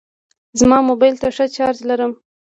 زما موبایل ته ښه چارجر لرم.